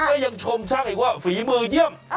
ก็ยังชมช่างอีกว่าฝีมือเยี่ยม